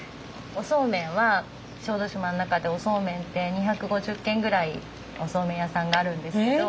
おそうめんは小豆島の中でおそうめんって２５０軒ぐらいおそうめん屋さんがあるんですけど。